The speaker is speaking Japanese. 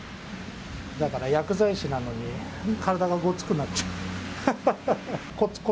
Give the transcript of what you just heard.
だから薬剤師なのに、体がごつくなっちゃう。